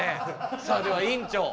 さあでは院長